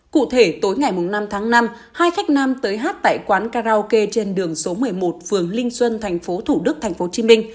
cụ thể tối ngày năm tháng năm hai khách nam tới hát tại quán karaoke trên đường số một mươi một phường linh xuân tp thủ đức tp hcm